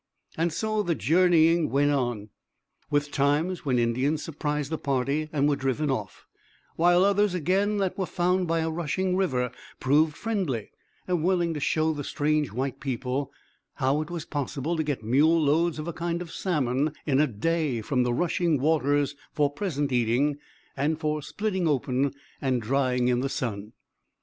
And so the journeying went on, with times when Indians surprised the party and were driven off, while others again that were found by a rushing river proved friendly and willing to show the strange white people how it was possible to get mule loads of a kind of salmon in a day from the rushing waters for present eating, and for splitting open and drying in the sun.